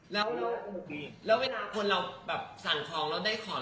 แล้วเวลาคนเราแบบสั่งของแล้วได้ของ